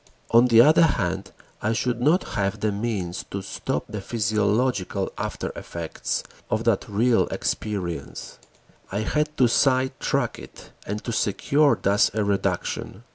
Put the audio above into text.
On the other hand I should not have the means to stop the physiological after effects of that real experience: I had to sidetrack it and to secure thus a reduction.